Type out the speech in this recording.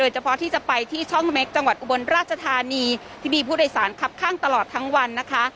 เฉพาะที่จะไปที่ช่องเม็กจังหวัดอุบลราชธานีที่มีผู้โดยสารคับข้างตลอดทั้งวันนะคะ